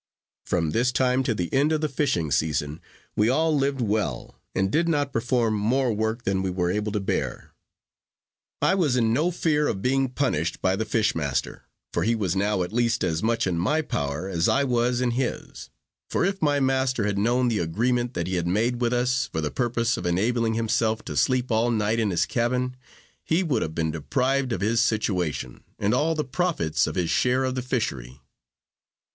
From this time to the end of the fishing season, we all lived well, and did not perform more work than we were able to bear. I was in no fear of being punished by the fish master, for he was now at least as much in my power as I was in his; for if my master had known the agreement that he had made with us, for the purpose of enabling himself to sleep all night in his cabin, he would have been deprived of his situation, and all the profits of his share of the fishery.